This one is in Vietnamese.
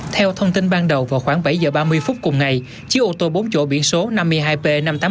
theo thông tin ban đầu vào khoảng bảy giờ ba mươi phút cùng ngày chiếc ô tô bốn chỗ biển số năm mươi hai p năm nghìn tám trăm bốn mươi một